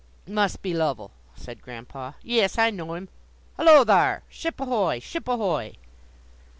"Must be Lovell," said Grandpa. "Yis, I know him! Hullo, thar'! Ship ahoy! ship ahoy!"